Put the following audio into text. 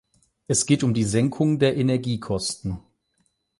Es geht um die Senkung der Energiekosten.